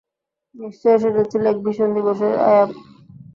নিশ্চয়ই সেটা ছিল এক ভীষণ দিবসের আযাব।